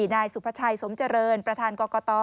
นายสุภาชัยสมเจริญประธานกรกต